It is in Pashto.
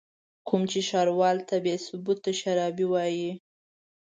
کوم چې ښاروال ته بې ثبوته شرابي وايي.